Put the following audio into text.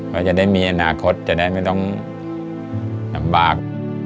ว่าจะได้มีอนาคตจะได้ไม่ต้องลำบาก